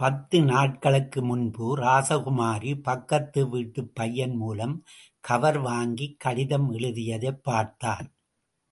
பத்து நாட்களுக்கு முன்பு ராசகுமாரி பக்கத்து வீட்டுப் பையன் மூலம் கவர் வாங்கிக் கடிதம் எழுதியதைப் பார்த்தாள்.